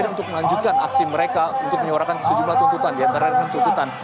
untuk melanjutkan aksi mereka untuk menyuarakan sejumlah tuntutan diantara dengan tuntutan